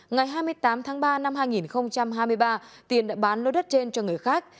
ngày hai mươi tám tháng ba năm hai nghìn hai mươi ba tiên đã bán lô đất trên cho người khác